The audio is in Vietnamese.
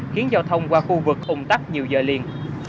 khiến giao thông qua khu vực ủng tắc nhiều giờ liền